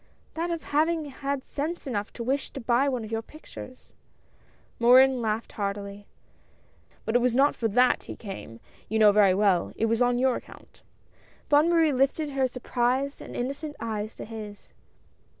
" That of having had sense enough to wish to buy one of your pictures !" Morin laughed heartily. " But it was not for that he came, you know very well. It was on your account !" lo 162 QUARRELS AND INSULTS. Bonne Marie lifted her surprised and innocent eyes , to his.